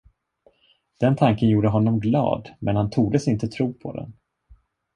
Den tanken gjorde honom glad, men han tordes inte tro på den.